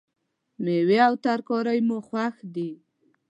میوې او ترکاری مو خوښ دي